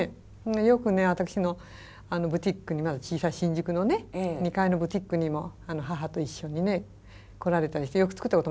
よくね私のブティックにまだ小さい新宿のね２階のブティックにも義母と一緒に来られたりして洋服作ったこともありますよ。